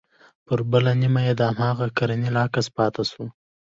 پر بله نيمه يې د هماغه کرنيل عکس پاته سو.